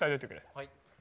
はい。